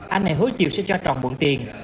anh này hứa chiều sẽ cho tròn mượn tiền